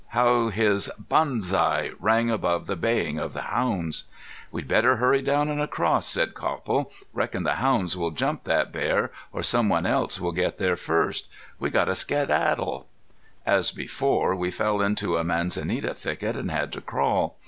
How his: "Banzai!" rang above the baying of the hounds! "We'd better hurry down an' across," said Copple. "Reckon the hounds will jump that bear or some one else will get there first. We got to skedaddle!" As before we fell into a manzanita thicket and had to crawl.